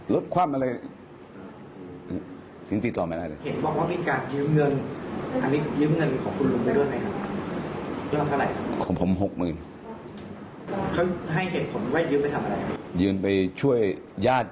แล้วชาวบ้านคุณอื่นมียืมด้วยไหมครับ